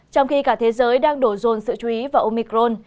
trong khi cả thế giới đang đổ dồn sự chú ý vào omicron